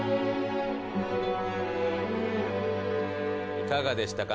いかがでしたか？